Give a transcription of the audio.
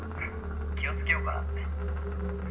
「気をつけようかなって」